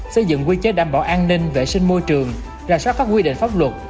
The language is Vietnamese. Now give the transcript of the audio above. xây dựng quy chế đảm bảo an ninh vệ sinh môi trường rà soát các quy định pháp luật